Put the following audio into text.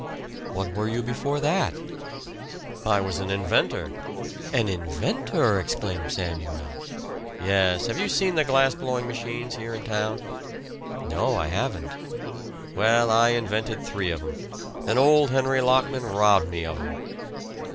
"What were you before that?" "I was an inventor." "An inventor!" exclaimed Samuel. "Yes. Have you seen the glass blowing machines here in town?" "No, I haven't." "Well, I invented three of them. And old Henry Lockman robbed me of them."